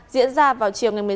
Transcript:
diễn ra vào chiều mùa xuân